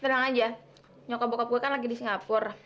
tenang aja nyokap bokap gue kan lagi di singapur